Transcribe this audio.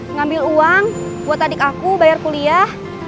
ngambil uang buat adik aku bayar kuliah